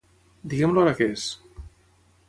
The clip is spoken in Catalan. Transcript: Digue'm l'hora que és.